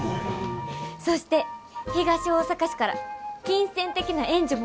そして東大阪市から金銭的な援助も受けられるそうです！